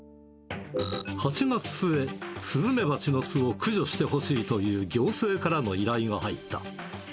８月末、スズメバチの巣を駆除してほしいという行政からの依頼が入った。